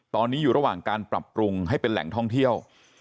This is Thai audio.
ตอนนี้อยู่ระหว่างการปรับปรุงให้เป็นแหล่งท่องเที่ยว